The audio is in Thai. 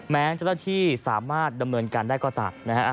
แม้เจ้าหน้าที่สามารถดำเนินการได้ก็ตามนะฮะ